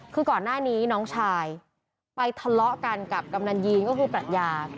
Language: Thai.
คือก่อนหน้านี้น้องชายไปทะเลาะกันกับกำนันยีนก็คือปรัชญา